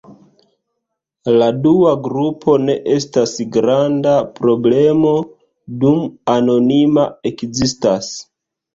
La dua grupo ne estas granda problemo, dum anonima ekzistas.